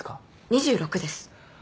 ２６です。